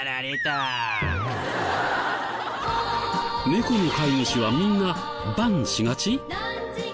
猫の飼い主はみんな「バンッ！」